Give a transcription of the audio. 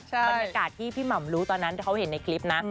บรรยากาศที่พี่หม่ำรู้ตอนนั้นที่เขาเห็นในคลิปนะ